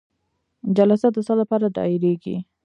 جلسه د څه لپاره دایریږي؟